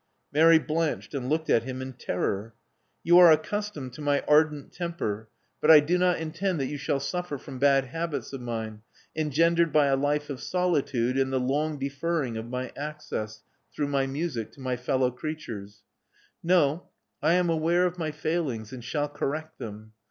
Mary blanched, and looked at him in terror. Yoti are accustomed to my ardent temper; but I do not 264 Love Among th'e Artists intend that you shall suffer from bad habits of mine, engendered by a life of solitude and the long deferring of my access, through my music, to my fellow creatures. No : I am aware of my failings, and shall correct them.